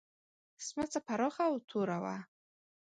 سمڅه پراخه او توره وه.